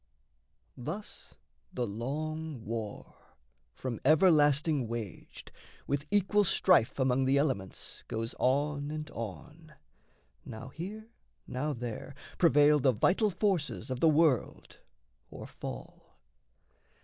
Thus the long war, from everlasting waged, With equal strife among the elements Goes on and on. Now here, now there, prevail The vital forces of the world or fall.